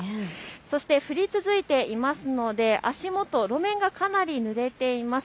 そして降り続いていますので足元、路面がかなりぬれています。